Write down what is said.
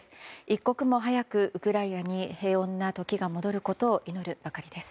一刻も早くウクライナに平穏な時が戻ることを祈るばかりです。